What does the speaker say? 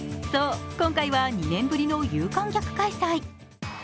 そう、今回は２年ぶりの有観客開催。